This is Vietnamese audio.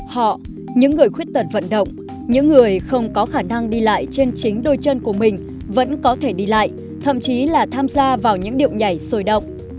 họ những người khuyết tật vận động những người không có khả năng đi lại trên chính đôi chân của mình vẫn có thể đi lại thậm chí là tham gia vào những điệu nhảy sôi động